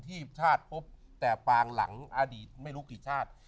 ที่ชาติพบแต่ปางหลังอดีตไม่รู้กี่ชาติ